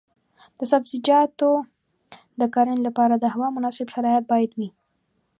د سبزیجاتو د کرنې لپاره د هوا مناسب شرایط باید وي.